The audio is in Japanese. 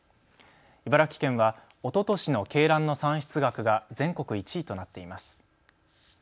茨城県はおととしの鶏卵の産出額が全国１位となっています。